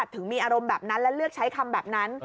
ถึงมีอารมณ์แบบนั้นและเลือกใช้คำแบบนั้น